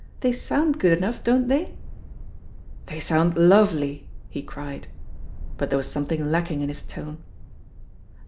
They soimd good enough, don't they?" "They sound lovely," he cried. But there was something lacking in his tone.